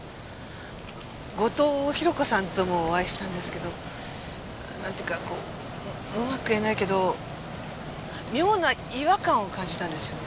後藤宏子さんともお会いしたんですけどなんていうかこううまく言えないけど妙な違和感を感じたんですよね。